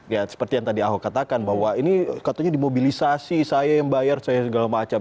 ya seperti yang tadi ahok katakan bahwa ini katanya dimobilisasi saya yang bayar segala macam